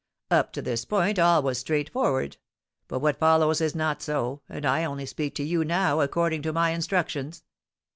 Up to this point all was straightforward, but what follows is not so, and I only speak to you now according to my instructions.